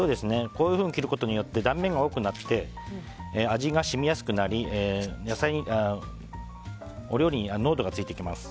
こういうふうに切ることによって断面が多くなって味が染みやすくなりお料理に濃度がついてきます。